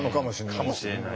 かもしれない。